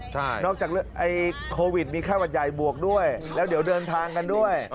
ใช่นอกจากไอ้โควิดมีไข้หวัดใหญ่บวกด้วยแล้วเดี๋ยวเดินทางกันด้วย